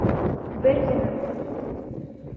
Бер генә...